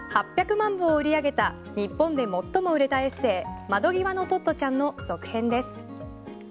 これは８００万部を売り上げた日本で最も売れたエッセー「窓ぎわのトットちゃん」の続編です。